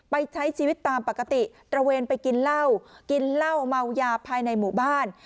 ใช้ชีวิตตามปกติตระเวนไปกินเหล้ากินเหล้าเมายาภายในหมู่บ้าน